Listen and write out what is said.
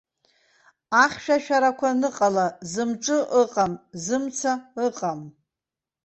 Ахьшәашәарақәа аныҟала, зымҿы ыҟам, зымца ыҟам.